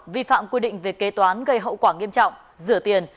vi phạm quy định về kế toán gây hậu quả nghiêm trọng rửa tiền